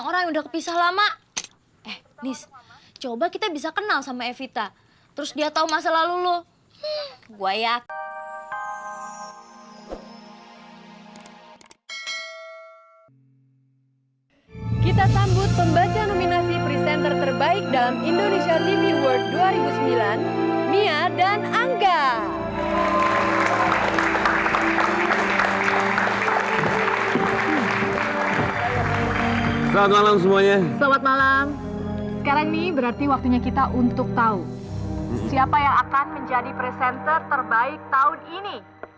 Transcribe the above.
yang akan menjadi presenter terbaik tahun ini